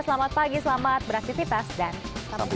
selamat pagi selamat beraktifitas dan sampai jumpa